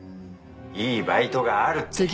いいバイトがあるって。